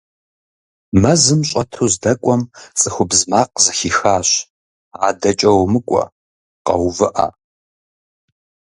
Мэзым щӀэту здэкӀуэм, цӏыхубз макъ зэхихащ: «АдэкӀэ умыкӀуэ, къэувыӀэ!».